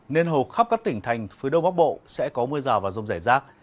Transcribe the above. nên hầu khắp các tỉnh thành phía đông bắc bộ sẽ có mưa rào và rông rải rác